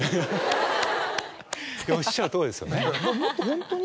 おっしゃるとおりですよね。